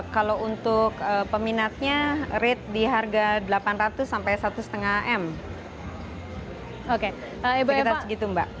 kalau untuk peminatnya rate di harga delapan ratus sampai satu lima m